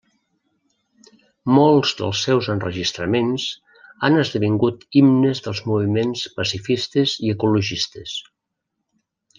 Molts dels seus enregistraments han esdevingut himnes dels moviments pacifistes i ecologistes.